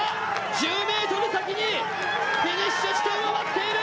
１０ｍ先にフィニッシュ地点が待っている。